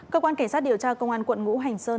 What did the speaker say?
cơ quan cảnh sát điều tra công an quận ngũ hành sơn